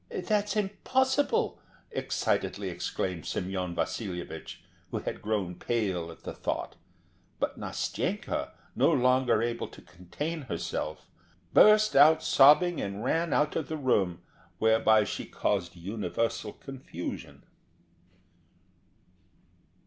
"That's impossible!" excitedly exclaimed Semyon Vasilyevich, who had grown pale at the thought. But Nastenka, no longer able to contain herself, burst out sobbing and ran out of the room, whereby she caused universal confusion.